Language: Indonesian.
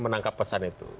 menangkap pesan itu